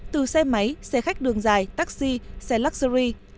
từ xe máy xe khách đường dài taxi xe luxury